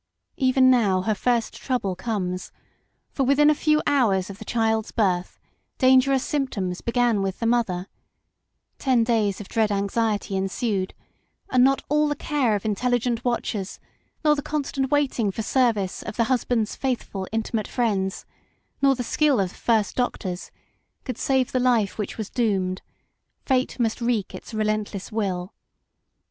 Even now her first trouble comes, for, within a few hours of the child's birth, dangerous symptoms began with the mother ; ten days of dread anxiety ensued, and not all the care of intelli gent watchers, nor the constant waiting for service of the husband's faithful intimate friends, nor the skill of the first doctors could save the life which was doomed : Fate must wreak its relentless will.